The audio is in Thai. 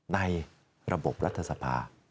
ในระบบรัฐสภา